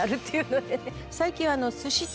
最近。